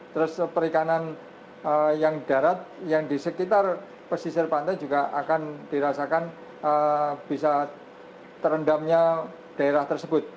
terus perikanan yang darat yang di sekitar pesisir pantai juga akan dirasakan bisa terendamnya daerah tersebut